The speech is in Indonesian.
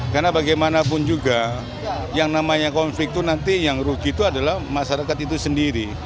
karena bagaimanapun juga yang namanya konflik itu nanti yang rugi itu adalah masyarakat itu sendiri